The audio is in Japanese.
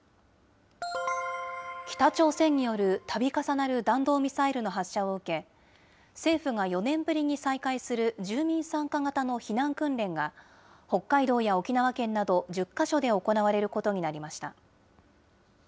北朝鮮による度重なる弾道ミサイルの発射を受け、政府が４年ぶりに再開する住民参加型の避難訓練が、北海道や沖縄県など１０か所で行われることになりました。